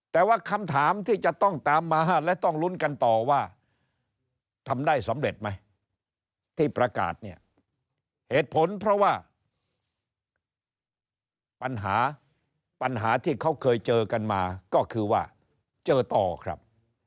แต่ว่าคำถามที่จะต้องตามมาและต้องลุ้นกันต่อว่าทำได้สำเร็จไหมที่ประกาศเนี่ยเหตุผลเพราะว่าปัญหาปัญหาที่เขาเคยเจอกันมาก็คือว่าเจอต่อครับ